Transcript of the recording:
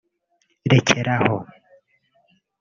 “rekeraho